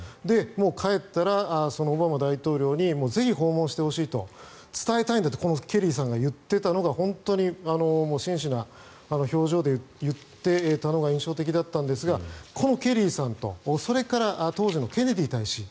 帰ったらオバマ大統領にぜひ訪問してほしいと伝えたいんだとこのケリーさんが言っていたのが真摯な表情で言っていたのが印象的だったんですがこのケリーさんとそれから当時のケネディ大使。